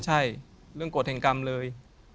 ใช่เรื่องกฎแห่งกรรมเลย